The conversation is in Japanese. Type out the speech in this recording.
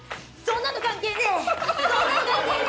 そんなの関係ねえ！